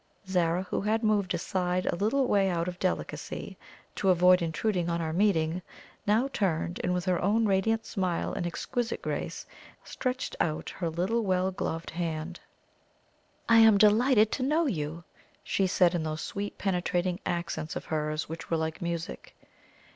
Zara, who had moved aside a little way out of delicacy, to avoid intruding on our meeting, now turned, and with her own radiant smile and exquisite grace, stretched out her little well gloved hand. "I am delighted to know you!" she said, in those sweet penetrating accents of hers which were like music.